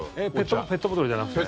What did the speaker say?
ペットボトルじゃない。